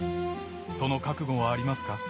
その覚悟はありますか？